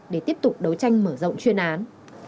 để tiếp tục đấu tranh mở rộng chuyên án